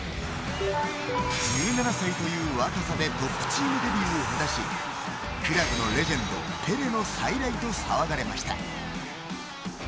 １７歳という若さでトップチームデビューを果たしクラブのレジェンドペレの再来と騒がれました。